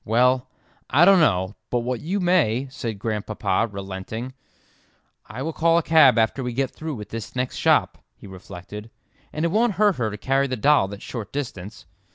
"Well, I don't know but what you may," said Grandpapa, relenting. "I will call a cab after we get through with this next shop," he reflected, "and it won't hurt her to carry the doll that short distance."